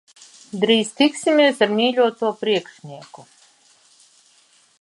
Drīz tiksimies ar mīļoto priekšnieku.